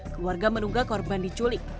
keluarga menunggah korban diculik